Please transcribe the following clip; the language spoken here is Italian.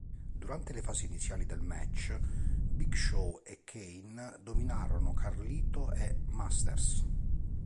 Durante le fasi iniziali del match, Big Show e Kane dominarono Carlito e Masters.